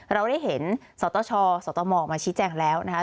เราได้เห็นสตชสตมออกมาชี้แจงแล้วนะคะ